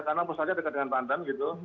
karena pusatnya dekat dengan banten gitu